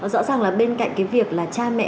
rõ ràng là bên cạnh cái việc là cha mẹ